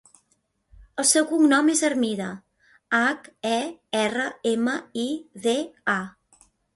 El seu cognom és Hermida: hac, e, erra, ema, i, de, a.